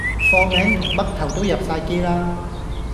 貨名同嘜頭都入哂機啦